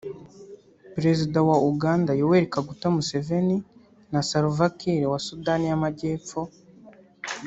Perezida wa Uganda Yoweri Kaguta Museveni na Salva Kiir wa Sudani y’Amajyepfo